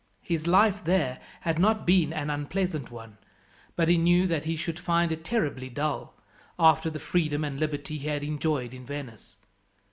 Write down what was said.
His life there had not been an unpleasant one, but he knew that he should find it terribly dull, after the freedom and liberty he had enjoyed in Venice.